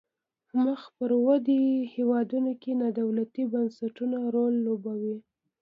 په مخ پر ودې هیوادونو کې نا دولتي بنسټونو رول لوبولای.